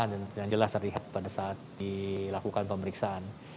dan jelas terlihat pada saat dilakukan pemeriksaan